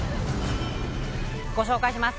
ご紹介します。